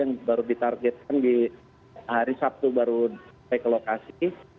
yang baru ditargetkan di hari sabtu baru sampai ke lokasi